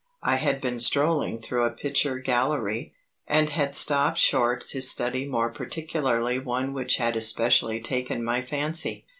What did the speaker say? I had been strolling through a picture gallery and had stopped short to study more particularly one which had especially taken my fancy.